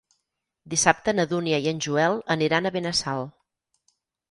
Dissabte na Dúnia i en Joel aniran a Benassal.